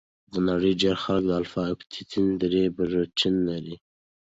د نړۍ ډېر خلک د الفا اکتینین درې پروټین نه لري.